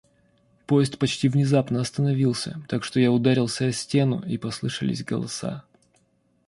Поезд почти внезапно остановился, так что я ударился о стену, и послышались голоса.